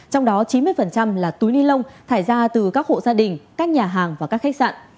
trong đó chín mươi là túi ni lông thải ra từ các hộ gia đình các nhà hàng và các khách sạn